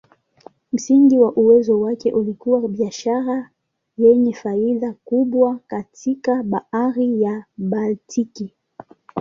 Msingi wa uwezo wake ulikuwa biashara yenye faida kubwa katika Bahari ya Baltiki.